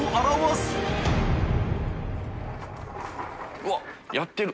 うわっやってる。